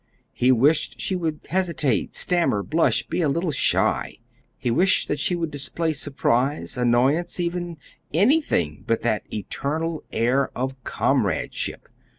He wished she would hesitate, stammer, blush; be a little shy. He wished that she would display surprise, annoyance, even anything but that eternal air of comradeship.